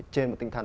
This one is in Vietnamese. trên một tinh thần